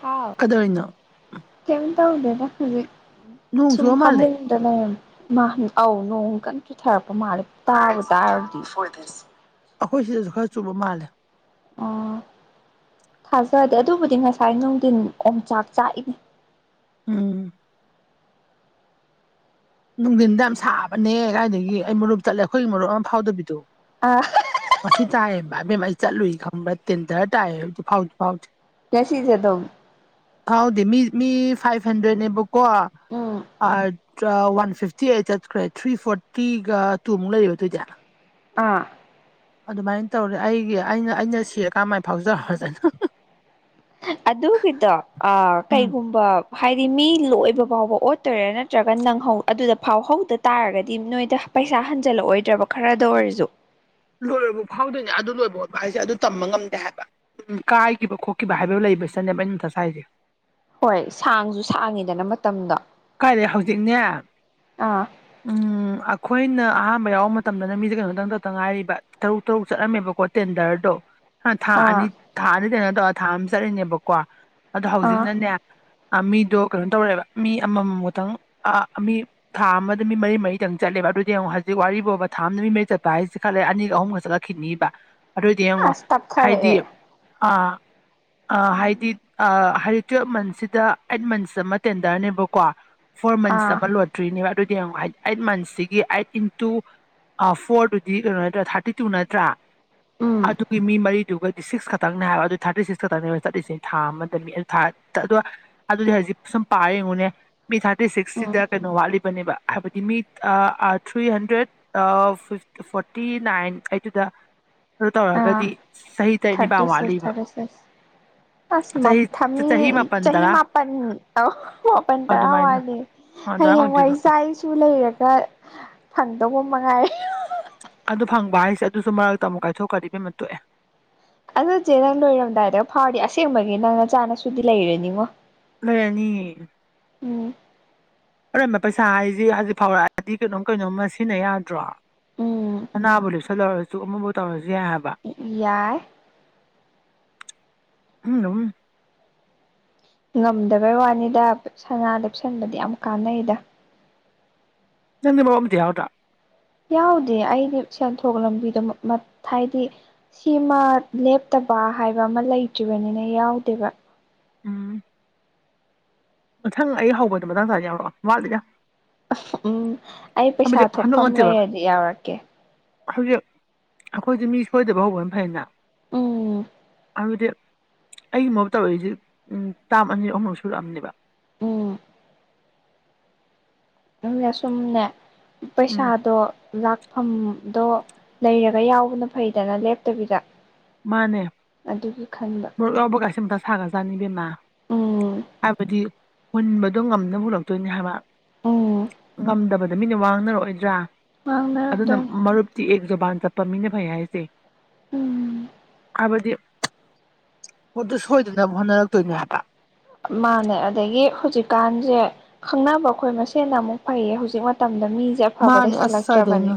ꯍꯥꯥꯎ ꯀꯗꯧꯔꯤꯅꯣ ꯀꯩꯝ ꯇꯧꯗꯦꯗ ꯍꯩꯖꯤꯛ ꯅꯣꯡ ꯁꯨꯝ ꯆꯨꯕ ꯃꯥꯜꯂꯦ ꯐꯃꯨꯡ ꯑꯗ ꯂꯩꯔꯝꯃꯤ ꯏꯃꯥ ꯑꯧ ꯅꯣꯡ ꯀꯟꯅ ꯆꯨꯊꯔꯛꯄ ꯃꯥꯜꯂꯦ ꯇꯥꯕꯨ ꯇꯥꯔꯨꯗꯤ ꯑꯈꯣꯏ ꯁꯤꯗꯁꯨ ꯈꯔ ꯆꯨꯕ ꯃꯥꯜꯂꯦ ꯑꯣ ꯊꯥꯖꯗꯦ ꯑꯗꯨꯕꯨꯗꯤ ꯉꯁꯥꯏ ꯅꯨꯡꯗꯤꯟ ꯑꯣꯝꯆꯥꯛ ꯆꯥꯛꯏ ꯎꯝ ꯅꯨꯡꯗꯤꯟꯗ ꯌꯥꯝ ꯁꯥꯕꯅꯦ ꯀꯥꯏꯗꯒꯤ ꯑꯩ ꯃꯔꯨꯞ ꯆꯠꯂꯦ ꯑꯩꯈꯣꯏꯒꯤ ꯃꯔꯨꯞ ꯑꯃ ꯐꯥꯎꯗꯕꯤꯗꯣ ꯑꯥ ꯉꯁꯤ ꯇꯥꯏꯌꯦꯕ ꯑꯕꯦꯝꯃ ꯑꯩ ꯆꯠꯂꯨꯏ ꯈꯪꯕ꯭ꯔꯥ ꯇꯦꯟꯗ꯭ꯔ ꯇꯥꯏꯑꯦꯕ ꯁꯨꯡꯐꯥꯎꯗꯤ ꯐꯥꯎꯗꯦ ꯉꯁꯤꯖꯨ ꯑꯗꯨꯝ ꯐꯥꯎꯗꯦ ꯃꯤ ꯃꯤ ꯐꯥꯏꯚ ꯍꯟꯗ꯭ꯔꯦꯠꯅꯦꯕꯀꯣ ꯎꯝ ꯑꯗꯥ ꯐꯤꯐꯇꯤꯑꯩꯠ ꯆꯠꯈ꯭ꯔꯦ ꯊ꯭ꯔꯤ ꯐꯣꯔꯇꯤꯒ ꯇꯨ ꯃꯨꯛ ꯂꯩꯔꯤꯕ ꯑꯗꯨꯗꯤ ꯑꯥ ꯑꯗꯨꯃꯥꯏ ꯇꯧꯔꯦ ꯑꯩꯒꯤ ꯑꯩꯅ ꯑꯩꯅ ꯁꯤꯔꯀꯥꯟ ꯃꯥꯏ ꯐꯥꯎꯖ ꯍꯧꯔꯖꯅꯨ ꯑꯗꯨꯒꯤꯗꯣ ꯑ ꯎꯝ ꯀꯩꯒꯨꯝꯕ ꯍꯥꯏꯗꯤ ꯃꯤ ꯂꯣꯏꯕ ꯐꯥꯎꯕ ꯑꯣꯠ ꯇꯣꯏꯔ ꯅꯠꯇ꯭ꯔꯒ ꯅꯪꯍꯧ ꯑꯗꯨꯗ ꯐꯥꯎꯍꯧꯗ ꯇꯥꯔꯒꯗꯤ ꯅꯣꯏꯗ ꯄꯩꯁꯥ ꯍꯟꯖꯜꯂꯛꯑꯣꯏꯗ꯭ꯔꯕ ꯈꯔꯗ ꯑꯣꯏꯔꯁꯨ ꯂꯣꯏꯔꯕꯧ ꯐꯥꯎꯗꯣꯏꯅꯦ ꯑꯗꯨ ꯂꯣꯏꯕ ꯑꯣꯠꯄ ꯍꯥꯏꯁꯦ ꯑꯗꯨ ꯇꯝꯕ ꯉꯝꯗꯦ ꯍꯥꯏꯕ ꯎꯝ ꯀꯥꯏꯒꯤꯕ ꯈꯣꯠꯈꯤꯕ ꯍꯥꯏꯕ ꯂꯩꯕꯁꯟꯅꯦ ꯑꯩꯅ ꯃꯊꯥ ꯁꯥꯏꯁꯦ ꯍꯣꯏ ꯁꯥꯡꯖꯨ ꯁꯥꯡꯉꯤꯗꯅ ꯃꯇꯝꯗꯣ ꯀꯥꯏꯗꯩ ꯍꯧꯖꯤꯛꯅꯦ ꯑꯥ ꯎꯝ ꯑꯈꯣꯏꯅ ꯑꯍꯝꯕ ꯌꯥꯎꯕ ꯃꯇꯝꯗꯅ ꯃꯤꯖꯦ ꯀꯩꯅꯣꯗꯪꯇꯧꯇ ꯉꯥꯏꯔꯤꯕ ꯇꯔꯨꯛ ꯇꯔꯨꯛ ꯆꯠꯂꯝꯃꯦꯕꯀꯣ ꯇꯦꯟꯗ꯭ꯔꯗꯣ ꯑ ꯊꯥ ꯑꯥ ꯑꯅꯤ ꯊꯥ ꯑꯅꯤꯗꯅꯦ ꯇꯧꯔ ꯊꯥ ꯑꯃ ꯆꯠꯂꯤꯅꯦꯕꯀꯣ ꯑꯗꯣ ꯑꯥ ꯍꯧꯖꯤꯛꯅꯅꯦ ꯑꯥ ꯃꯤꯗꯣ ꯀꯩꯅꯣ ꯇꯧꯔꯦꯕ ꯃꯤ ꯑꯃꯝꯃꯝ ꯈꯛꯇꯪ ꯑꯥ ꯃꯤ ꯊꯥ ꯑꯃꯗ ꯃꯤꯠ ꯃꯔꯤ ꯃꯔꯤꯇꯪ ꯆꯠꯂꯦꯕ ꯑꯗꯨꯗꯤ ꯊꯥ ꯑꯃꯗ ꯃꯤ ꯃꯔꯤ ꯃꯔꯤꯗꯡ ꯆꯠꯂꯦꯕ ꯑꯗꯨꯗꯤ ꯌꯦꯡꯉꯣ ꯍꯧꯖꯤꯛ ꯋꯥꯔꯤꯕꯣꯕ ꯊꯥ ꯑꯃꯗ ꯃꯤ ꯃꯔꯤ ꯆꯠꯄ ꯍꯥꯏꯁꯤ ꯈꯔ ꯑꯅꯤ ꯑꯍꯨꯝꯒ ꯆꯠꯂ ꯛ ꯈꯤꯅꯤꯕ ꯑꯗꯨꯑꯣꯗꯤ ꯌꯦꯡꯉꯣ ꯑꯁ ꯍꯥꯏꯗꯤ ꯇꯞꯊꯔꯛꯑꯦ ꯑ ꯑ ꯎꯝ ꯍꯥꯏꯗꯤ ꯑ ꯍꯥꯏꯗꯤ ꯇꯨꯋꯦꯜꯞ ꯃꯟꯠꯁꯤꯗ ꯑꯩꯠ ꯃꯟꯁ ꯑꯃ ꯇꯦꯟꯗ꯭ꯔꯅꯦꯕꯀꯣ ꯐꯣꯔ ꯃꯟꯁ ꯑꯥ ꯑꯃ ꯂꯣꯏ ꯇ꯭ꯔꯤꯅꯦꯕ ꯑꯗꯨꯗꯤ ꯌꯦꯡꯉꯣ ꯑꯩꯠ ꯑꯩꯠ ꯃꯟꯁꯁꯤꯒꯤ ꯑꯩꯠ ꯏꯟꯇꯨ ꯑ ꯐꯣꯔꯗꯨꯗꯤ ꯀꯩꯅꯣ ꯅꯠꯇ꯭ꯔꯥ ꯊꯥꯔꯇꯤꯇꯨ ꯅꯠꯇ꯭ꯔꯥ ꯎꯝ ꯑꯗꯨꯒꯤ ꯃꯤ ꯃꯔꯤꯗꯨꯒꯗꯤ ꯁꯤꯛꯁ ꯈꯛꯇꯪꯅꯤ ꯍꯥꯏꯕ ꯑꯗꯨ ꯊꯥꯔꯇꯤꯁꯤꯛꯁ ꯈꯛꯇꯅꯦꯕ ꯆꯠꯂꯤꯁꯤ ꯊꯥ ꯑꯃꯗ ꯃꯤ ꯑꯗꯨ ꯊꯥ ꯑꯗꯨꯗꯤ ꯍꯧꯖꯤꯛ ꯁꯨꯝ ꯄꯥꯔ ꯌꯦꯡꯉꯨꯅꯦ ꯃꯤ ꯊꯥꯔꯇꯤ ꯎꯝ ꯁꯤꯛꯁꯁꯤꯗ ꯀꯩꯅꯣ ꯋꯥꯠꯂꯤꯕꯅꯦ ꯕ ꯍꯥꯏꯕꯗꯤ ꯃꯤꯠ ꯑ ꯑꯥ ꯊ꯭ꯔꯤꯍꯟꯗ꯭ꯔꯦꯠ ꯑ ꯐꯤꯞ ꯐꯣꯔꯇꯤ ꯅꯥꯏꯟ ꯑꯩꯠꯇꯨꯗ ꯑꯗꯨ ꯑꯥ ꯇꯧꯔꯒꯗꯤ ꯆꯍꯤ ꯇꯔꯦꯠ ꯊꯥꯔꯇꯤ ꯅꯤꯄꯥꯟ ꯁꯤꯛꯁ ꯋꯥꯠꯂꯤꯕ ꯊꯥꯔꯇꯤ ꯁꯤꯛꯁ ꯆꯍꯤ ꯆꯍꯤ ꯃꯄꯟ ꯇꯔꯥ ꯄꯟ ꯑꯣ ꯃꯥꯄꯟ ꯇꯔꯥ ꯑꯗꯨꯃꯥꯏꯅ ꯋꯥꯂꯤ ꯑꯗꯨꯃꯥꯏꯅ ꯍꯌꯦꯡꯋꯥꯏ ꯑꯣꯏꯗꯣꯏꯕ ꯏꯆꯥ ꯏꯁꯨ ꯁꯨ ꯂꯩꯔꯒ ꯐꯪꯗꯧꯕ ꯃꯉꯥꯏꯔꯦ ꯑꯗꯨ ꯐꯪꯕ ꯍꯥꯏꯁꯦ ꯑꯗꯨꯁꯨ ꯃꯔꯛꯇ ꯑꯃꯨꯛ ꯀꯥꯏꯊꯣꯛꯈ꯭ꯔꯗꯤ ꯏꯕꯦꯝꯃ ꯇꯣꯛꯑꯦ ꯑꯗꯨ ꯆꯦ ꯅꯪ ꯂꯣꯏꯔꯝꯗꯥꯏꯗ ꯐꯥꯎꯔꯗꯤ ꯑꯁꯦꯡꯕꯒꯤ ꯅꯪ ꯅꯆꯥ ꯅꯁꯨꯗꯤ ꯂꯩꯔꯅꯤꯉꯣ ꯂꯩꯔꯅꯤ ꯎꯝ ꯑꯔꯦꯝꯕ ꯄꯩꯁꯥ ꯍꯥꯏꯖꯤ ꯍꯧꯖꯤꯛ ꯐꯥꯎꯔꯛꯑꯗꯤ ꯀꯩꯅꯣꯝ ꯀꯩꯅꯣꯝꯃ ꯁꯤꯖꯤꯟꯅ ꯌꯥꯗ꯭ꯔꯣ ꯎꯝ ꯁꯅꯥꯕꯨ ꯂꯦꯞꯁꯜꯍꯧꯔꯖꯨ ꯑꯃꯕꯨ ꯇꯧꯔꯖꯨ ꯌꯥꯏ ꯍꯥꯏꯕ ꯌꯥꯏ ꯎꯝ ꯉꯝꯗꯕꯩ ꯋꯥꯅꯤꯗ ꯁꯅꯥ ꯂꯦꯞꯁꯟꯕꯗꯤ ꯌꯥꯝ ꯀꯥꯟꯅꯩꯗ [inaudible] ꯌꯥꯎꯗꯦ ꯑꯩꯗꯤ ꯁꯦꯟꯊꯣꯛ ꯂꯝꯕꯤꯗ ꯍꯥꯏꯗꯤ ꯁꯤ ꯃꯥ ꯂꯦꯞꯇꯕ ꯍꯥꯏꯕ ꯑꯃꯥ ꯂꯩꯇ꯭ꯔꯤꯕꯅꯤꯅ ꯌꯥꯎꯗꯦꯕ ꯎꯝ ꯃꯊꯪ ꯑꯩ ꯍꯧꯕꯗꯨ ꯃꯇꯥꯡ ꯆꯥꯔꯗꯤ ꯌꯥꯎꯔꯛꯑꯣ ꯋꯥꯠꯂꯤꯗ ꯎꯝ ꯑꯩ ꯍꯥꯏꯕꯗꯤ ꯄꯩꯁꯥ ꯍꯟꯗꯛ ꯊꯣꯛꯐꯝ ꯅꯠꯇꯦꯕ ꯂꯩꯔꯗꯤ ꯌꯥꯎꯔꯛꯀꯦ ꯍꯧꯖꯤꯛ ꯑꯩꯈꯣꯏꯗꯤ ꯃꯤ ꯁꯣꯏꯗꯕ ꯍꯧꯕꯅ ꯐꯩꯅ ꯎꯝ [inaudible] ꯎꯝ ꯎꯝꯅꯦꯁꯨꯝꯅꯦ ꯎꯝ ꯄꯩꯁꯥꯗꯣ ꯂꯥꯛ ꯐꯝꯗꯣ ꯂꯩꯔꯒ ꯌꯥꯎꯕꯅ ꯐꯩꯗꯅ ꯂꯦꯞꯇꯕꯤꯗ [inaudible] ꯑꯗꯨꯒꯤ ꯈꯟꯕ ꯎꯝ ꯍꯥꯏꯕꯗꯤ ꯃꯨꯟꯕꯗꯣ ꯉꯝꯅꯕ ꯍꯨꯜꯂꯛꯇꯣꯏꯅꯦ ꯍꯥꯏꯕ ꯎꯝ ꯉꯝꯗꯕꯗ ꯃꯤꯅ ꯋꯥ ꯉꯥꯡꯅꯔꯛꯑꯣꯏꯗ꯭ꯔꯥ ꯑꯗꯨꯅ ꯉꯥꯡꯅꯔꯛꯇꯣꯏꯅꯦ ꯃꯔꯨꯞꯇꯤ ꯑꯦꯛ ꯖꯕꯥꯟ ꯆꯠꯄ ꯃꯤꯅ ꯐꯩ ꯍꯥꯏꯖꯦ ꯎꯝ ꯍꯥꯏꯕꯗꯤ ꯄꯣꯠꯇꯨ ꯁꯣꯏꯗꯅꯕ ꯍꯣꯠꯅꯔꯛꯇꯣꯏꯅꯦ ꯍꯥꯏꯕ ꯃꯥꯅꯦ ꯑꯗꯒꯤ ꯍꯧꯖꯤꯛꯀꯥꯟꯖꯦ ꯈꯪꯅꯕ ꯑꯩꯈꯣꯏ ꯃꯁꯦꯅ ꯑꯃꯨꯛ ꯐꯩꯌꯦ ꯍꯧꯖꯤꯛ ꯃꯇꯝꯗ ꯃꯤꯖꯦ ꯑꯐꯕ ꯃꯥꯅꯦ ꯑꯁ ꯂꯩꯁꯤꯜꯂꯛꯇ꯭ꯔꯕꯅꯦ ꯀꯥꯏꯗꯩꯅꯣ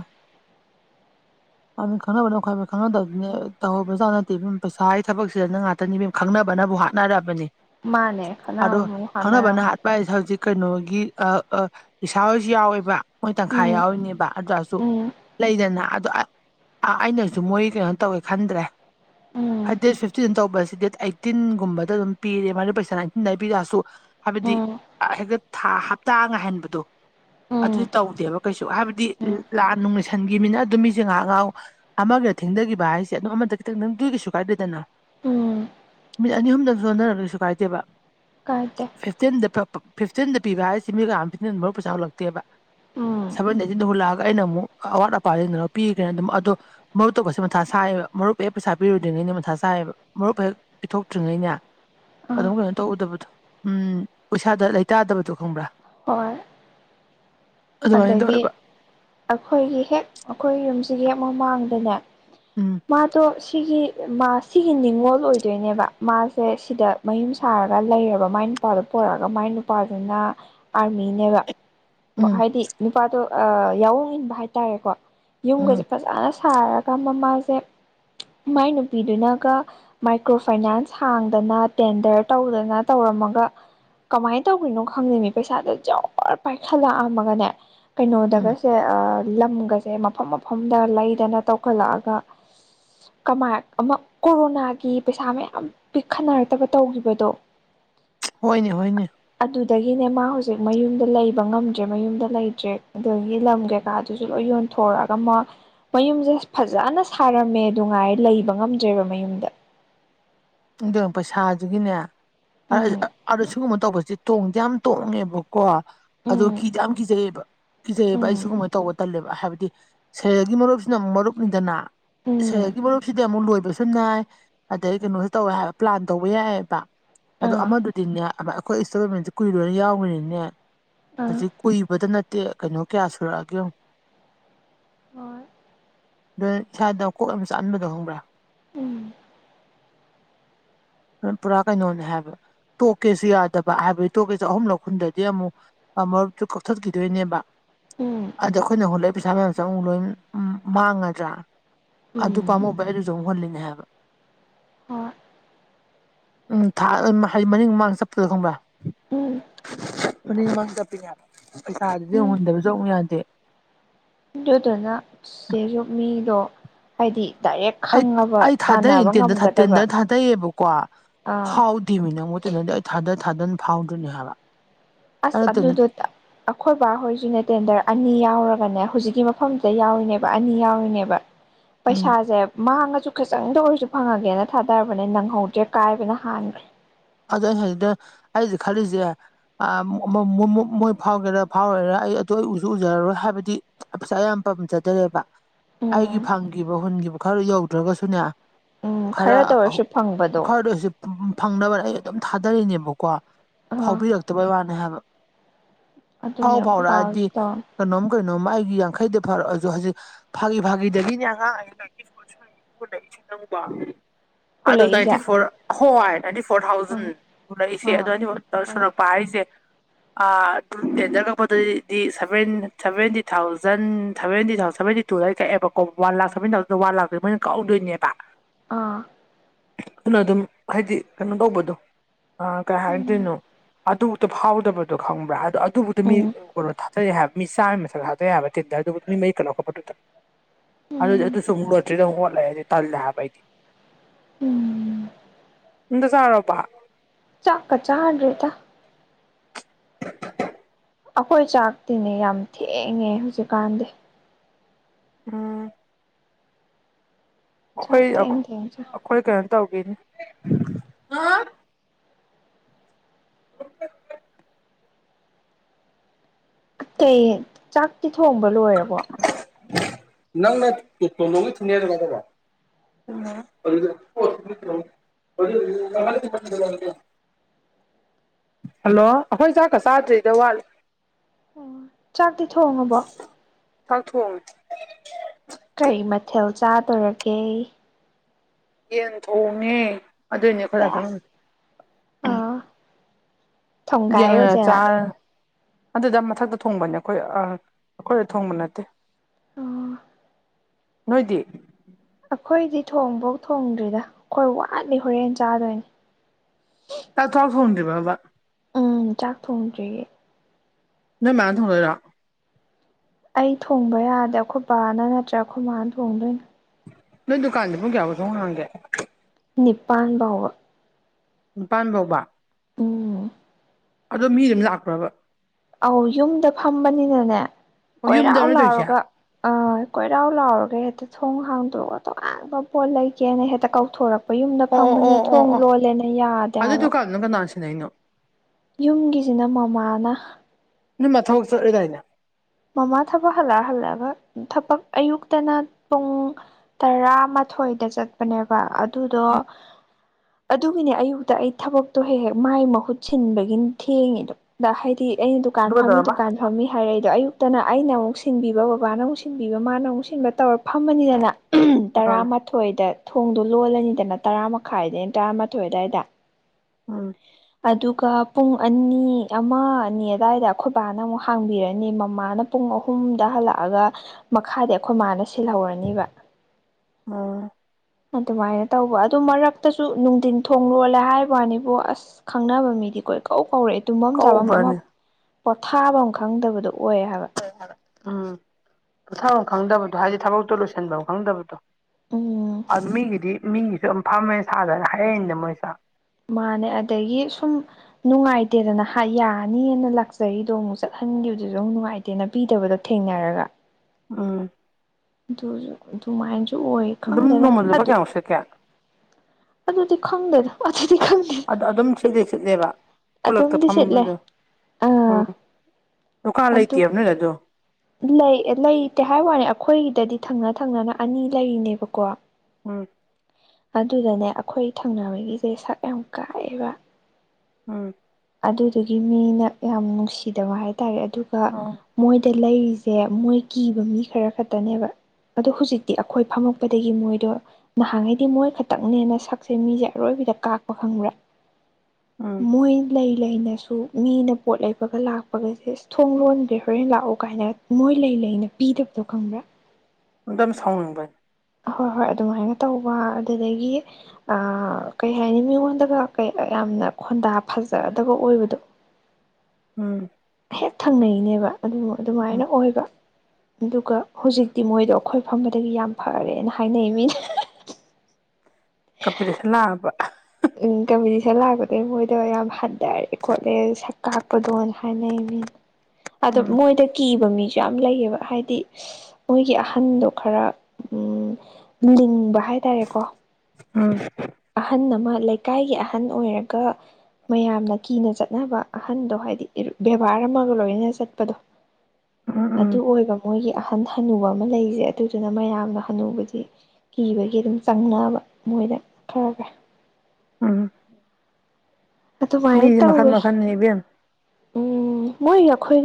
ꯃꯤ ꯈꯪꯅꯕꯅꯈ ꯐ ꯈꯪꯅꯗꯕꯁꯤꯅ‌ꯦ ꯇꯧꯍꯧꯕꯖꯥꯠ ꯅꯠꯇꯦ ꯏꯕ‌ꯦꯝ ꯄꯩꯁꯥꯒꯤ ꯊꯕꯛꯁꯤꯗꯅ ꯉꯥꯛ ꯇꯅꯤ ꯏꯕꯦꯝꯃ ꯈꯪꯅꯕꯅꯕꯨ ꯍꯥꯠꯅꯔꯕꯅꯤ ꯃꯥꯅꯦ ꯈꯪꯅꯕꯕꯨꯛ ꯍꯥꯠꯅꯔꯝ ꯃꯥꯏ ꯍꯧꯖꯤꯛ ꯀꯩꯅꯣꯒꯤ ꯑꯥ ꯑꯥ ꯏꯁꯥ ꯍꯣꯏꯖꯨ ꯌꯥꯎꯋꯦꯕ ꯃꯣꯏ ꯇꯪꯈꯥꯏ ꯎꯝ ꯌꯥꯎꯔꯤꯅꯦꯕ ꯑꯗ‌ꯣꯏꯇꯖꯨ ꯎꯝ ꯂꯩꯗꯅ ꯑꯗꯨ ꯑꯥ ꯑꯩꯅꯖꯨ ꯃꯣꯏ ꯀꯩꯅꯣ ꯇꯧꯋꯦ ꯈꯟꯗ꯭ꯔꯦ ꯎꯝ ꯍꯥꯏ ꯗꯦꯠ ꯐꯤꯐꯇꯤꯟ ꯇꯧꯕꯁꯤ ꯗꯦꯠ ꯑꯩꯠꯇꯤꯟꯒꯨꯝꯕꯗ ꯑꯗꯨꯝ ꯄꯤꯔꯦ ꯃꯔꯨꯞ ꯄꯩꯁꯥ ꯅꯥꯏꯟꯇꯤꯟꯗ ꯄꯤꯔꯛꯑꯁꯨ ꯍꯥꯏꯕꯗꯤ ꯎꯝ ꯍꯦꯛꯇ ꯊꯥ ꯍꯞꯇꯥ ꯑꯃꯥ ꯉꯥꯏꯍꯟꯕꯗꯣ ꯎꯝ ꯑꯗꯨꯗꯤ ꯇꯧꯗꯦꯕ ꯀꯩꯁꯨ ꯍꯥꯏꯕꯗꯤ ꯂꯥꯟ ꯅꯨꯡ ꯂꯩꯁꯟꯒꯤꯝꯅꯤꯅ ꯑꯗꯨꯝ ꯃꯤ ꯖ‌ꯦ ꯉꯥꯍꯥꯛ ꯉꯥꯍꯥꯛ ꯑꯃꯒ ꯊ‌ꯦꯡꯗꯈꯤꯕ ꯍꯥꯏꯖ‌ꯦ ꯗꯨꯝ ꯑꯃꯗ ꯈꯤꯇꯪ ꯗꯪꯗꯤ ꯀꯩꯁꯨ ꯀꯥꯏꯗ‌ꯦꯗꯅ ꯎꯝ ꯃꯤꯠ ꯑꯅꯤ ꯑꯍꯨꯝꯗꯪ ꯆꯣꯟꯗꯔꯖꯨ ꯀꯩꯁꯨ ꯀꯥꯏꯗꯦꯕ ꯀꯥꯏꯗ‌ꯦ ꯐꯤꯐꯇꯤꯟꯗ ꯐꯤꯐꯇꯤꯟꯗ ꯄꯤꯕ ꯍꯥꯏꯖ‌ꯦ ꯃꯤ ꯀꯅꯥꯝ ꯐꯤꯞꯇꯤꯟ ꯄꯩꯁꯥ ꯍꯨꯜꯂꯛꯇꯦꯕ ꯎꯝ ꯁꯚꯦꯟꯇꯤꯟꯗ ꯍꯨꯜꯂꯛꯑꯒ ꯑꯩꯅ ꯑꯃꯨꯛ ꯑꯋꯥꯠ ꯑꯄꯥꯅꯔ ꯄꯤꯈ꯭ꯔꯦꯅ ꯑꯗꯨꯝ ꯑꯗꯣ ꯃꯔꯨꯞꯇꯧꯕꯖ‌ꯦ ꯃꯊꯥ ꯁꯥꯏꯑꯦꯕ ꯃꯔꯨꯞ ꯍꯦꯛ ꯄꯩꯁꯥ ꯄꯤꯔꯨꯗꯔꯤꯉꯩ ꯃꯊꯥ ꯁꯥꯏꯕ ꯃꯔꯨꯞ ꯍꯦꯛ ꯄꯤꯊꯣꯛꯇ꯭ꯔꯤꯉꯩꯩꯅꯦ ꯑꯥ ꯑꯗꯨꯝ ꯀꯩꯅꯣ ꯇꯧꯔꯨꯗꯕꯗꯣ ꯎꯝ ꯏꯁꯥꯗ ꯂꯩꯇꯥꯗꯕꯗꯣ ꯈꯪꯕ꯭ꯔꯥ ꯍꯣꯏ ꯑꯗꯨꯃꯥꯏꯅ ꯑꯗꯒꯤ ꯇꯧꯋꯦꯕ ꯑꯩꯈꯣꯏꯒꯤ ꯍꯦꯛ ꯑꯩꯈꯣꯏ ꯌꯨꯝꯁꯤꯒꯤ ꯍꯦꯛ ꯃꯃꯥꯡꯗꯅꯦ ꯎꯝ ꯃꯥꯇꯣ ꯁꯤꯒꯤ ꯃꯥ ꯁꯤꯒꯤ ꯅꯤꯉꯣꯜ ꯑꯣꯏꯗꯣꯏꯅꯦꯕ ꯃꯥꯁꯦ ꯁꯤꯗ ꯃꯌꯨꯝ ꯁꯥꯔꯒ ꯂꯩꯔꯕ ꯃꯥꯏ ꯅꯨꯄꯥꯗꯨ ꯄ‌ꯣꯔꯛꯑꯒ ꯃꯥꯏ ꯅꯨꯄꯥꯗꯨꯅ ꯑꯥꯔꯃꯤꯅꯦꯕ ꯎꯝ ꯍꯥꯏꯗꯤ ꯅꯨꯄꯥꯗꯣ ꯑꯥ ꯌꯥꯋꯣꯡꯏꯟꯕ ꯍꯥꯏꯇꯥꯔꯦꯀꯣ ꯎꯝ ꯌꯨꯝꯒꯖꯦ ꯐꯖꯅ ꯁꯥꯔꯒ ꯃꯃꯥꯁꯦ ꯃꯥꯏ ꯅꯨꯨꯄꯤꯗꯨꯅꯒ ꯃꯥꯏꯀ꯭ꯔꯣ ꯐꯥꯏꯅꯥꯟꯁ ꯍꯥꯡꯗꯅ ꯇꯦꯟꯗꯔ ꯇꯧꯗꯅ ꯇꯧꯔꯝꯃꯒ ꯀꯃꯥꯏ ꯇꯧꯒꯔꯤꯅꯣ ꯈꯪꯗ‌ꯦꯃꯤ ꯄꯩꯁꯥꯗꯣ ꯖ‌ꯣꯔ ꯄꯥꯏꯈꯠꯂꯛꯑꯝꯃꯒꯅꯦ ꯎꯝ ꯀꯩꯅꯣꯗꯒ ꯁꯦ ꯂꯝꯒꯁꯦ ꯃꯐꯝ ꯃꯐꯝꯗ ꯂꯩꯗꯅ ꯇꯧꯈꯠꯂꯛꯑꯒ ꯀꯃꯥꯏ ꯑꯃ ꯀꯣꯔꯣꯅꯥꯒꯤ ꯄꯩꯁꯥ ꯃꯌꯥꯝ ꯄꯤꯛꯈꯠꯅꯔꯛꯇꯕ ꯇꯧꯒꯤꯕꯗꯣ [unintelligible] ꯍꯣꯏꯅꯦ ꯍꯣꯏꯅꯦ ꯑꯗꯨꯗꯒꯤꯅꯦ ꯃꯥ ꯍꯧꯖꯤꯛ ꯃꯌꯨꯝꯗ ꯂꯩꯕ ꯉꯝ ꯗ꯭ꯔ‌ꯦ ꯃꯌꯨꯝꯗ ꯂꯩꯇꯔꯦ ꯑꯗꯒꯤ ꯂꯝ ꯀꯩꯀꯥꯗꯨꯁꯨ ꯂꯣꯏ ꯌꯣꯟꯊꯣꯔꯛꯑꯒ ꯃꯥ ꯃꯌꯨꯝꯖꯦ ꯐꯖꯅ ꯁꯥꯔꯝꯃꯦꯗꯨꯉꯥꯏꯔꯦ ꯂꯩꯕ ꯉꯝꯗ꯭ꯔꯦꯕ ꯃꯌꯨꯝꯗ ꯑꯗꯣ ꯄꯩꯁꯥꯗꯨꯒꯤꯅꯦ ꯎꯝ ꯑꯗꯣ ꯁꯤꯒꯨꯝꯕ ꯇꯧꯕꯁꯤ ꯇꯣꯡꯗꯤ ꯌꯥꯝ ꯇꯣꯡꯉꯦꯕ ꯀꯣ ꯑꯗꯨ ꯎꯝ ꯀꯤꯗꯤ ꯌꯥꯝ ꯀꯤꯖꯩꯑꯕ ꯀꯤꯖꯩꯕ ꯎꯝ ꯑꯩ ꯁꯤꯒꯨꯝꯕ ꯇꯧꯕ ꯇꯥꯜꯂꯦꯕ ꯍꯥꯏꯕꯗꯤ ꯁꯦꯔꯦꯜꯒꯤ ꯃꯔꯨꯞꯁꯤꯅ ꯑꯃꯨꯛ ꯃꯔꯨꯞꯅꯤꯗꯅ ꯎꯝ ꯁꯦꯔ‌ꯦꯜꯒꯤ ꯃꯔꯨꯞꯁꯤꯗꯤ ꯑꯃꯨꯛ ꯂꯣꯏꯕꯁꯨ ꯅꯥꯏ ꯑꯗꯩ ꯀꯩꯅꯣ ꯇꯧꯋꯦ ꯍꯥꯏꯕ ꯄ꯭ꯂꯥꯟ ꯇꯧꯕ ꯌꯥꯏ ꯍꯥꯏꯕ ꯑꯗꯨ ꯑꯥ ꯑꯃꯗꯨ ꯗꯤꯅꯦ ꯑꯕ ꯑꯩꯈꯣꯏ ꯁ꯭ꯇꯣꯞ ꯄꯦꯃꯦꯠꯖꯦ ꯀꯨꯏꯔꯣꯏꯅ ꯌꯥꯎꯔꯨꯔꯦꯅꯦ ꯑꯥ ꯍꯧꯖꯤꯛ ꯀꯨꯏꯕꯗ ꯅꯠ ꯇꯦ ꯀꯩꯅꯣ ꯀꯌꯥ ꯁꯨꯔꯛꯑꯒꯦ ꯌꯦꯡꯉꯣ ꯍꯣꯏ [unintelligible] ꯁ꯭ꯋꯥꯏꯗ ꯀꯣꯛ ꯌꯥꯝ ꯆꯥꯛꯍꯟꯕꯗꯣ ꯈꯪꯕ꯭ꯔꯥ ꯎꯝ ꯄꯨꯔꯥ ꯀꯩꯅꯣꯅꯦ ꯍꯥꯏꯕ ꯇꯣꯛꯀꯦꯁꯨ ꯌꯥꯗꯕ ꯍꯥꯏꯕꯗꯤ ꯇꯣꯛꯀꯦꯁꯨ ꯑꯍꯨꯝꯂꯛ ꯍꯨꯟꯗꯔꯗꯤ ꯑꯃꯨꯛ ꯃꯔꯨꯞꯇꯨ ꯀꯛꯊꯠꯈꯤꯗꯣꯏꯅꯦꯕ ꯎꯝ ꯑꯗ ꯑꯩꯈꯣꯏꯅ ꯍꯨꯜꯂꯛꯏꯕ ꯄꯩꯁꯥ ꯃꯌꯥꯝꯁꯦ ꯑꯃꯨꯛ ꯂꯣꯏꯟ ꯃꯥꯡꯉꯥꯗ꯭ꯔꯥ ꯑꯗꯨ ꯎꯝ ꯄꯥꯝꯃꯨꯕꯩ ꯑꯩꯗꯨꯁꯨ ꯑꯃꯨꯛ ꯍꯨꯜꯂꯤꯅꯦ ꯍꯥꯏꯕ ꯍ‌ꯣꯏ ꯎꯝ [unintelligible] ꯃꯅꯤꯡ ꯃꯃꯥꯡ ꯆꯠꯄꯗꯣ ꯈꯪꯕ꯭ꯔꯥ ꯎꯝ ꯃꯅꯤꯡ ꯃꯃꯥꯡ ꯆꯞꯄꯤꯅꯦ ꯍꯥꯏꯕ ꯄꯩꯁꯥꯗꯨꯗꯤ ꯑꯃꯨꯛ ꯎꯝ ꯍꯨꯟꯗꯕꯁꯨ ꯑꯃꯨꯛ ꯌꯥꯗꯦ ꯑꯗꯨꯗꯨꯅ ꯆꯦꯖꯨ ꯃꯤꯗꯣ ꯍꯥꯏꯗꯤ ꯗꯥꯏꯔꯦꯛ ꯑꯩ ꯈꯪꯉꯕ ꯑꯩ ꯊꯥꯗꯩ ꯇꯥꯟꯅꯕ ꯇꯦꯟꯗꯔ ꯊꯥ ꯉꯝꯒꯗꯕ ꯇꯦꯟꯗꯔ ꯊꯥꯗꯩꯌꯦꯕꯀꯣꯥ ꯑꯥ ꯐꯥꯎ ꯇꯦꯃꯤ ꯅꯪꯕꯣ ꯇꯦꯟꯗꯔꯗꯤ ꯑꯩ ꯊꯥꯗ ꯊꯥꯗꯅ ꯐꯥꯎꯗ꯭ꯔꯤꯅꯦ ꯍꯥꯏꯕ ꯑꯗꯨ ꯑꯁ ꯅꯠꯇꯅ ꯑꯗꯨꯗꯣ ꯇ ꯑꯈꯣꯏ ꯕꯥ ꯍꯣꯏꯁꯨꯅꯦ ꯇꯦꯟꯗꯔ ꯑꯅꯤ ꯌꯥꯎꯔꯒꯅꯦ ꯍꯧꯖꯤꯛꯀꯤ ꯃꯐꯝꯗꯨꯗ ꯌꯥꯎꯔꯤꯅꯦꯕ ꯑꯅꯤ ꯌꯥꯎꯔꯤꯅꯦꯕ ꯎꯝ ꯄꯩꯁꯥꯖꯦ ꯃꯥꯡꯉꯁꯨ ꯈꯤꯇꯪꯗ ꯑꯣꯏꯔꯁꯨ ꯐꯪꯉꯒꯦꯅ ꯊꯥꯗꯔꯕꯅꯦ ꯅꯪꯍꯧꯗ꯭ꯔꯦ ꯀꯥꯏꯕꯅ ꯍꯥꯟꯒ꯭ꯔꯦ ꯑꯗꯣ ꯑꯩ ꯍꯧꯖꯤꯛꯇ ꯑꯩ ꯍꯧꯖꯤꯛ ꯈꯜꯂꯤꯁꯦ ꯑꯥ ꯃꯣ ꯃꯣ ꯃꯣ ꯃꯣꯏ ꯐꯥꯎꯒꯦꯔꯥ ꯐꯥꯎꯔꯣꯏꯔꯥ ꯑꯩ ꯑꯗꯨ ꯑꯩ ꯎꯁꯨ ꯎꯖꯔꯔꯣꯏ ꯍꯥꯏꯕꯗꯤ ꯄꯩꯁꯥ ꯌꯥꯝ ꯄꯥꯝꯖꯗꯔꯦꯕ ꯎꯝ ꯑꯩꯒꯤ ꯐꯪꯈꯤꯕ ꯍꯨꯟꯒꯤꯕ ꯈꯔ ꯌꯧꯗ꯭ꯔꯒꯁꯨꯅꯦ ꯎꯝ ꯈꯔ ꯈꯔꯇ ꯑꯍꯨ ꯑꯣꯏꯔꯁꯨ ꯐꯪꯕꯗꯣ ꯈꯔꯗ ꯑꯣꯏꯁꯨ ꯐꯪꯅꯕꯅ ꯑꯩ ꯑꯗꯨꯝ ꯊꯥꯗꯔꯤꯅꯦꯕꯀꯣ ꯑꯥ ꯐꯥꯎꯕꯤꯔꯛꯇꯕꯩ ꯋꯥꯅꯦ ꯍꯥꯏꯕ ꯑꯗꯨꯅꯦ ꯐꯥꯎꯕꯨ ꯑꯩꯈꯣꯏ ꯕꯥ ꯐꯥꯎꯔꯛꯑꯗꯤ ꯍꯣꯏꯁꯨ ꯇꯧꯔꯝꯃꯦ ꯀꯩꯅꯣꯝ ꯀꯩꯅꯣꯝ ꯑꯩꯒꯤ ꯌꯥꯡꯈꯩꯗ ꯐꯥꯔꯛꯑꯁꯨ ꯍꯧꯖꯤꯛ ꯐꯥꯒꯤ ꯐꯥꯒꯤꯗꯒꯤꯅꯤ ꯑꯉꯥꯡ ꯑꯩ ꯅꯥꯏꯟꯇꯤ ꯐꯣꯔ [unintelligible] ꯑꯗꯨ ꯍꯨꯜꯂꯛꯏꯁꯦ ꯅꯥꯏꯟꯇꯤ ꯐꯣꯔ ꯍꯣꯏ ꯅꯥꯏꯟꯇꯤ ꯐꯣꯔ ꯊꯥꯎꯖꯠ ꯑꯥ ꯎꯝ ꯍꯨꯜꯂꯛꯏꯁꯦ ꯑꯥ ꯑꯗꯨ ꯅꯥꯏꯟꯇꯤ ꯐꯣꯔ ꯊꯥꯎꯖꯟ ꯑꯥ ꯁꯨꯔꯛꯄ ꯍꯥꯏꯖꯦ ꯑꯥ ꯑꯗꯨꯝ ꯇꯦꯟꯗꯔ ꯀꯛꯄꯗꯗꯤ seven seventy thousand seventy thousand seventy ꯇꯨꯗꯩ ꯀꯛꯑꯦꯕꯀꯣ ꯋꯥꯟ ꯂꯥꯛ ꯁꯚꯦꯟ ꯊꯥꯎꯖꯟꯗ ꯋꯥꯟ ꯂꯥꯛꯇꯨꯗꯤ ꯃꯣꯏꯅ ꯀꯛꯍꯧꯗꯣꯏꯅꯦꯕ ꯑꯥ ꯑꯗꯨꯅ ꯑꯗꯨꯝ ꯍꯥꯏꯗꯤ ꯀꯩꯅꯣ ꯇꯧꯕꯗꯣ ꯑꯥ ꯀꯩ ꯎꯝ ꯍꯥꯏꯗꯣꯏꯅꯣ ꯑꯗꯨꯕꯥꯎꯇ ꯐꯥꯎꯗꯕꯗꯣ ꯈꯪꯕ꯭ꯔꯥ ꯑꯗꯣ ꯑꯗꯨꯕꯥꯎꯗ ꯃꯤ ꯎꯝ ꯀꯩꯅꯣ ꯊꯥꯗꯔꯤ ꯍꯥꯏꯕ ꯃꯤ ꯆꯥꯝꯃꯩ ꯃꯊꯛꯇ ꯊꯥꯗꯩ ꯍꯥꯏꯕ ꯇꯦꯟꯗꯔꯗꯨꯕꯨ ꯃꯤ ꯃꯔꯤ ꯈꯛ ꯂꯧꯈꯠꯄꯗꯨꯗ ꯑꯗꯨꯗꯤ ꯎꯝ ꯑꯗꯨꯁꯨ ꯑꯃꯨꯛ ꯂꯣꯇ꯭ꯔꯤꯗꯣ ꯑꯃꯨꯛ ꯑꯣꯠ ꯂꯩꯔꯅꯤ ꯇꯜꯂꯦ ꯍꯥꯏꯕ ꯑꯩꯗꯤ ꯎꯝ ꯆꯥꯛ ꯆꯥꯔꯕꯣ ꯆꯥꯛꯀ ꯆꯥꯗ꯭ꯔꯤꯗ [unintelligible] ꯑꯈꯣꯏ ꯆꯥꯛꯇꯤꯅꯦ ꯌꯥꯝ ꯊꯦꯡꯉꯦ ꯍꯧꯖꯤꯛꯀꯥꯟꯗꯤ ꯎꯝ ꯆꯥꯛ ꯑꯩꯈꯣꯏ ꯊꯦꯡ ꯊꯦꯡ ꯆꯥꯏ ꯑꯩꯈꯣꯏ ꯀꯩꯅꯣ ꯇꯧꯒꯤꯅꯤ [unintelligible] [unintelligible] ꯆꯥꯛꯇꯤ ꯊꯣꯡꯕ ꯂꯣꯏꯔꯕꯣ ꯅꯪꯅ ꯇꯣ ꯇꯣꯂꯣꯉꯩ ꯊꯤꯅꯦ ꯍꯥꯏꯗꯣ ꯀꯃꯥꯏ ꯇꯧꯕ [unintelligible] [unintelligible] ꯍꯜꯂꯣ ꯑꯈꯣꯏ ꯆꯥꯛꯀ ꯆꯥꯗ꯭ꯔꯤꯗ ꯋꯥꯠꯂꯤ ꯑꯣ ꯆꯥꯛꯇꯤ ꯊꯣꯡꯉꯕꯣ ꯆꯥꯛ ꯊꯣꯡꯉꯦ ꯀꯔꯤ ꯃꯊꯦꯜ ꯆꯥꯗꯣꯔꯒꯦ ꯌꯦꯟ ꯊꯣꯡꯉꯦ ꯑꯗꯨꯏꯅꯦ ꯑꯈꯣꯏ ꯗꯥ ꯁꯦꯁ ꯆꯪꯉꯛꯑꯝꯃꯤ ꯑꯥ ꯊꯣꯡꯒꯥꯏꯔꯣ ꯆꯦ [unintelligible] ꯉꯥ ꯆꯥꯔ ꯑꯗꯨꯗ ꯃꯊꯛꯇ ꯊꯣꯡꯕꯅꯦ ꯑꯈꯣꯏ ꯑꯥ ꯑꯈꯣꯏꯗ ꯊꯣꯡꯕ ꯅꯠꯇꯦ ꯑꯣ ꯅꯣꯏꯗꯤ ꯑꯈꯣꯏꯗꯤ ꯊꯣꯡꯕꯧ ꯊꯣꯡꯗ꯭ꯔꯤꯗ ꯑꯈꯣꯏ ꯋꯥꯠꯂꯤ ꯍꯣꯔꯦꯟ ꯆꯥꯗꯣꯏꯅꯤ ꯇ ꯊꯣ ꯐꯣꯟꯗꯕꯕꯕꯥ ꯎꯝ ꯆꯥꯛ ꯊꯣꯡꯗ꯭ꯔꯤꯌꯦ ꯅꯣꯏ ꯃꯌꯥꯝꯅ ꯊꯣꯡꯅꯣꯏꯔꯥ ꯑꯩ ꯊꯣꯡꯕ ꯌꯥꯗꯦ ꯑꯩꯈꯣꯏ ꯕꯥꯅ ꯅꯠꯇ꯭ꯔꯥ ꯑꯩꯈꯣꯏ ꯃꯥꯅ ꯊꯣꯡꯗꯣꯏꯅꯤ ꯅꯣꯏ ꯗꯨꯀꯥꯟꯗꯤ ꯄꯨꯡ ꯀꯌꯥꯕꯨꯁꯨꯣꯡ ꯍꯥꯡꯒꯦ ꯅꯤꯄꯥꯥꯟ ꯐꯥꯎꯕ ꯄꯥꯟ ꯐꯥꯎꯕ ꯎꯝ ꯑꯗꯣ ꯃꯤ ꯑꯗꯨꯝ ꯂꯥꯛꯄ꯭ꯔꯕ ꯑꯧ ꯌꯨꯝꯗ ꯐꯝꯕꯅꯤꯅꯅꯦ ꯑꯣ ꯀꯣꯏꯔꯥꯎ ꯌꯨꯝꯗꯔꯣ ꯅꯣꯏ ꯇꯧꯔꯤꯁꯦ ꯂꯥꯎꯔꯒ ꯑꯣ ꯑ ꯀꯣꯏꯔꯥꯎ ꯂꯥꯎꯔꯒꯦ ꯍꯦꯛꯇ ꯊꯣꯡ ꯍꯥꯡꯗꯣꯛꯑꯒ ꯇꯣꯉꯥꯟꯕ ꯄꯣꯠ ꯂꯩꯒꯦꯅ ꯍꯦꯛꯇ ꯀꯧꯊꯣꯔꯛꯄ ꯑꯩꯣꯏ ꯌꯨꯝꯗ ꯑꯣ ꯐꯪꯕꯅꯤꯅ ꯊꯣꯡ ꯂꯣꯜꯂꯦꯅ ꯌꯥꯗꯦ ꯍꯥꯏꯕ ꯑ ꯅꯅꯥꯁꯤꯗ ꯂꯩꯣ ꯌꯨꯝꯒꯤꯁꯤꯅ ꯃꯃꯥꯅ ꯅꯣꯏ ꯃꯊꯧꯛ ꯆꯠꯂꯣꯏꯗꯥꯏꯅꯦ ꯃꯃꯥ ꯊꯕꯛ ꯍꯜꯂꯛꯑ ꯍꯜꯂꯛꯑꯒ ꯊꯕꯛ ꯑꯌꯨꯛꯇꯅ ꯄꯨꯡ ꯇꯔꯥꯃꯥꯊꯣꯏꯗ ꯆꯠꯄꯅꯦꯕ ꯑꯗꯨꯗꯣ ꯑꯗꯨꯒꯤꯅꯦ ꯑꯌꯨꯛꯇ ꯑꯩ ꯊꯕꯛꯇꯣ ꯍꯦꯛ ꯍꯦꯛ ꯃꯥꯏ ꯃꯍꯨꯠ ꯁꯤꯟꯕꯒꯤ ꯊꯦꯡꯉꯤꯗꯣ ꯑ ꯍꯥꯏꯗꯤ ꯑꯩꯅ ꯗꯨꯀꯥꯟ ꯑꯗꯨꯒ ꯐꯝꯃꯤ ꯇꯧꯔꯕ ꯗꯨꯀꯥꯟ ꯐꯝꯃꯤ ꯍꯥꯏꯔꯛꯏ ꯑꯗ ꯑꯌꯛ ꯠꯇꯅ ꯑꯩꯅ ꯑꯃꯨꯛ ꯁꯤꯟꯕꯤꯕ ꯕꯕꯥꯅ ꯑꯃꯨꯛ ꯁꯤꯟꯕꯤꯕ ꯃꯥꯅ ꯑꯃꯨꯛ ꯁꯤꯟꯕ ꯇꯧꯔ ꯐꯝꯃꯅꯤꯗꯅ ꯑꯥ ꯇꯔꯥꯃꯥꯊꯣꯏꯗ ꯊꯣꯡꯗꯣ ꯂꯣꯜꯂꯅꯤꯗꯅ ꯇꯔꯥ ꯃꯈꯥꯏꯗꯩꯅ ꯇꯔꯥꯃꯥꯊꯣꯏ ꯑꯗꯨꯋꯥꯏꯗ ꯎꯝ ꯑꯗꯨꯒ ꯄꯨꯡ ꯑꯅꯤ ꯑꯃ ꯑꯅꯤ ꯑꯗꯨꯋꯥꯏꯗ ꯑꯩꯈꯣꯏ ꯕꯥꯅ ꯑꯃꯨꯛ ꯍꯥꯡꯕꯤꯔꯅꯤ ꯃꯃꯥꯅ ꯄꯨꯡ ꯑꯍꯨꯝꯗ ꯍꯜꯂꯛꯑꯒ ꯃꯈꯥꯗ ꯑꯩꯈꯣꯏ ꯃꯥꯅ ꯁꯤꯜꯍꯧꯔꯅꯤꯕ ꯑꯣ ꯑꯗꯨ ꯑꯗꯨꯃꯔ ꯇꯧꯕ ꯑꯗꯨ ꯃꯔꯛꯇꯁꯨ ꯅꯨꯡꯊꯤꯟ ꯊꯣꯡ ꯂꯣꯜꯂꯦ ꯍꯥꯏꯕꯅꯤꯕꯨ ꯑꯁ ꯈꯪꯅꯕ ꯃꯤꯗꯤ ꯀꯣꯏ ꯀꯧ ꯀꯧꯔꯛꯑꯦ ꯇꯨꯝꯐꯝ ꯆꯥꯐꯝ ꯑꯃ ꯀꯧꯕ꯭ꯔꯅꯦ ꯄꯣꯊꯥꯐꯝ ꯑꯃ ꯈꯪꯗꯕꯗꯣ ꯑꯣꯏ ꯍꯥꯏꯕ ꯎꯝ ꯄ ꯄꯨꯊꯐꯝ ꯈꯪꯗꯕꯗꯣ ꯍꯥꯏꯗꯤ ꯊꯕꯛꯇꯣ ꯂꯣꯏꯁꯤꯟꯐꯝ ꯈꯪꯗꯕꯗꯣ ꯎꯝ ꯑꯗꯨ ꯃꯤꯒꯤꯗꯤ ꯃꯤꯒꯤꯁꯨ ꯌꯥꯝ ꯐꯝꯃꯦ ꯁꯥꯗꯅ ꯍꯥꯏꯔꯛꯏꯅꯦ ꯃꯣꯏꯁ ꯃꯥꯅꯦ ꯑꯗꯒꯤ ꯁꯨꯝ ꯅꯨꯡꯉꯥꯏꯇꯦꯗꯅꯍ ꯌꯥꯅꯤꯅ ꯂꯥꯛꯆꯔꯤꯗꯣ ꯑꯃꯨꯛ ꯆꯠꯍꯟꯈꯤꯕꯗꯨꯁꯨ ꯑꯃꯨꯛ ꯅꯨꯡꯉꯥꯏꯇꯦ ꯑꯠꯇꯦꯅ ꯄꯤꯗꯕꯗꯣ ꯊꯦꯡꯅꯔꯒ ꯎꯝ ꯊꯃꯥꯏꯁꯨ ꯑꯣꯏꯣꯏ ꯑꯗꯨꯝ ꯅꯣꯡꯃꯟꯖꯕ ꯀꯌꯥꯃꯨꯛꯦ ꯀꯌꯥ ꯑꯗꯨꯗꯤꯤ ꯈꯪꯗꯦ ꯑꯇꯊꯤ ꯈꯪꯗ ꯑ ꯑꯗꯨꯝ ꯁꯤꯠꯂꯤꯦ ꯁꯤꯠꯂꯦꯕ ꯈꯨꯂꯛꯇ ꯑꯗꯨꯝꯗꯤ ꯁꯤꯠꯂꯦ ꯐꯝꯕꯗ ꯑꯥ ꯎꯝ ꯗꯨꯀꯥꯟ ꯑꯗꯨ ꯂꯩꯇꯦꯕ ꯅꯣꯏ ꯑ ꯑꯗꯨꯣ ꯂꯩ ꯂꯩꯇꯦ ꯍꯥꯏ ꯋꯥꯅꯦꯦ ꯑꯩꯈꯣꯏꯒꯤꯗꯗꯤ ꯊꯪꯅ ꯊꯪꯅꯅ ꯑꯅꯤ ꯂꯩꯔꯤꯅꯦꯕꯀꯣ ꯎꯝ ꯑꯗꯨꯗꯅꯦ ꯑꯩꯈꯣꯏ ꯊꯪꯅꯕꯒꯤꯁꯦ ꯁꯛ ꯌꯥꯝ ꯀꯥꯏꯑꯦꯕ ꯎꯝ ꯑꯗꯨꯗꯨꯒꯤ ꯃꯤꯅ ꯌꯥꯝ ꯅꯨꯡꯁꯤꯗꯕ ꯍꯥꯏꯇꯥꯔꯦ ꯑꯗꯨꯒ ꯑꯣ ꯃꯣꯏꯗ ꯂꯩꯔꯤꯁꯦ ꯃꯣꯏ ꯀꯤꯕ ꯃꯤ ꯈꯔ ꯈꯛꯇꯅꯦꯕ ꯑꯗꯣ ꯍꯧꯖꯤꯛꯇꯤ ꯑꯩꯈꯣꯏ ꯐꯝꯃꯛꯄꯗꯒꯤ ꯃꯣꯏꯗꯣ ꯅꯍꯥꯟꯈꯩꯗꯤ ꯃꯣꯏ ꯈꯛꯇꯛꯅꯦꯅ ꯁꯛꯁꯦ ꯃꯤꯁꯦ ꯑꯔꯣꯏꯕꯤꯗ ꯀꯥꯛꯄ ꯈꯪꯕ꯭ꯔꯥ ꯎꯝ ꯃꯣꯏ ꯂꯩ ꯂꯩꯅꯁꯨ ꯃꯤꯅ ꯄꯣꯠ ꯂꯩꯕꯒ ꯂꯥꯛꯄꯒꯁꯦ ꯑ ꯊꯣꯡ ꯂꯣꯟꯒꯦ ꯍꯣꯔꯣꯏꯦꯟ ꯂꯥꯛꯑꯣ ꯀꯥꯏꯅ ꯃꯣꯏ ꯂꯩ ꯂꯩꯅ ꯄꯤꯗꯕꯗꯣ ꯈꯪꯕ꯭ꯔꯥ ꯑꯝꯇꯝ ꯁꯥꯎꯅꯤꯡꯕ ꯍꯣꯏ ꯍꯣꯏ ꯑꯗꯨꯃꯥꯏꯅ ꯇꯧꯕ ꯑꯗꯨꯗꯒꯤ ꯑ ꯀꯩ ꯍꯥꯏꯅꯤ ꯃꯤꯉꯣꯟꯗꯒ ꯌꯥꯝꯅ ꯈꯣꯟꯗꯥ ꯐꯖꯒꯗꯕ ꯑꯣꯏꯕꯗꯣ [unintelligible] ꯎꯝ ꯍꯦꯛ ꯊꯪꯅꯩꯅꯦꯕ ꯑꯗꯨ ꯎꯝ ꯑꯗꯨꯃꯥꯏꯅ ꯑꯣꯏꯕ ꯑꯗꯨꯒ ꯍꯧꯖꯤꯛꯇꯤ ꯃꯣꯏꯗꯣ ꯑꯩꯈꯣꯏ ꯐꯝꯕꯗꯒꯤ ꯌꯥꯝ ꯐꯔꯦꯅ ꯍꯥꯏꯅꯩ ꯃꯤꯅ ꯀꯄꯤꯔꯁꯂꯕ [inaudible] ꯎꯝ ꯀꯝꯄꯤꯇꯤꯁꯟ ꯂꯥꯛꯄꯗꯒꯤ ꯃꯣꯏꯗꯣ ꯌꯥꯝ ꯍꯟꯊꯔꯦ ꯈꯣꯠꯂꯦ ꯁꯛ ꯀꯥꯛꯄꯗꯣꯅ ꯍꯥꯏꯅꯩ ꯃꯤꯅ ꯑꯗꯣ ꯎꯝ ꯃꯣꯏꯗ ꯀꯤꯕ ꯃꯤꯁꯨ ꯌꯥꯝ ꯂꯩꯌꯦꯕ ꯍꯥꯏꯗꯤ ꯃꯣꯏꯒꯤ ꯑꯍꯟꯗꯣ ꯈꯔ ꯂꯤꯡꯕ ꯍꯥꯏꯇꯥꯔꯦꯀꯣ ꯎꯝ ꯑꯍꯟ ꯑꯃ ꯂꯩꯀꯥꯏꯒꯤ ꯑꯍꯟ ꯑꯣꯏꯔꯒ ꯃꯌꯥꯝꯅ ꯀꯤꯅ ꯆꯠꯅꯕ ꯑꯍꯟꯗꯣ ꯍꯥꯏꯗꯤ ꯕꯦꯕꯥꯔ ꯑꯃꯒ ꯂꯣꯏꯅꯅ ꯆꯠꯄꯗꯣ ꯎꯝ ꯎꯝ ꯑꯗꯨ ꯑꯣꯏꯕ ꯃꯣꯏꯒꯤ ꯑꯍꯜ ꯍꯟꯅꯨꯕ ꯑꯃ ꯂꯩꯖꯦ ꯑꯗꯨꯗꯨꯅ ꯃꯌꯥꯝꯅ ꯍꯟꯅꯨꯕꯁꯤ ꯀꯤꯕꯒꯤ ꯑꯗꯨꯝ ꯆꯪꯅꯕ ꯃꯣꯏꯗ ꯈꯔ ꯈꯔ ꯎꯝ ꯑꯗꯨꯃꯥꯏꯅ ꯃꯤꯗꯤ ꯃꯈꯟ ꯇꯧꯋꯦ ꯃꯈꯟꯅꯤ ꯏꯕꯦꯝ ꯎꯝ ꯃꯣꯏ ꯑꯩꯈꯣꯏ